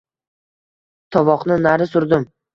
Tovoqni nari surdim.